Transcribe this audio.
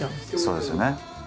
そうですよね。